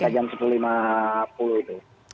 masih kita jam sepuluh lima puluh itu